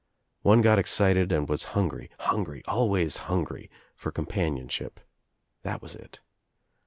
One got excited and was hungry, hungry, always hungry — for com panionship. That was it.